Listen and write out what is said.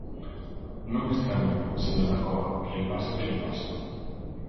Non me estraña, señor Dacova, que lle pase o que lle pasa.